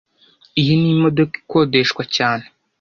Iyi ni imodoka ikodeshwa cyane